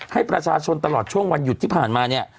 ให้ประชาชนตลอดช่วงวันหยุดที่ผ่านมาเนี่ย